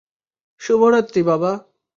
শুভরাত্রি, বাবা।